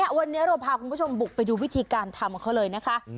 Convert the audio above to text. วันนี้เราพาคุณผู้ชมบุกไปดูวิธีการทำของเขาเลยนะคะ